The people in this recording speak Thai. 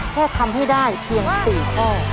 แค่ทำให้ได้เพียง๔ข้อ